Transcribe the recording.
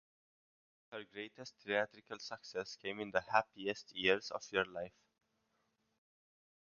Her greatest theatrical success came in "The Happiest Years of Your Life".